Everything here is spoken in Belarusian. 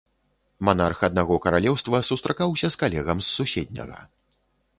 Манарх аднаго каралеўства сустракаўся з калегам з суседняга.